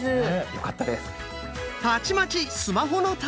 よかったです。